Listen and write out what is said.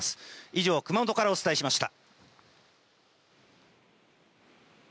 以上、熊本からお伝えしました。